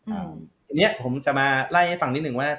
อันนี้ผมจะมาไล่ให้ฟังนิดนึงว่า